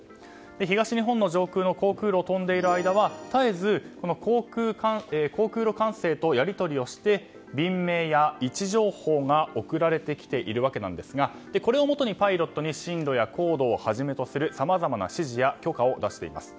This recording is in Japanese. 東日本の上空の航空路を飛んでいる間は絶えず航空路管制とやり取りをして便名や位置情報が送られてきているわけなんですがこれをもとにパイロットに進路や高度をはじめとするさまざまな指示や許可を出しています。